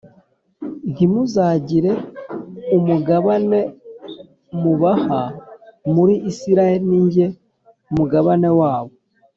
Ntimuzagire umugabane mubaha muri Isirayeli ni jye mugabane wabo